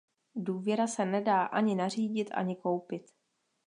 Důvěra se nedá ani nařídit, ani koupit.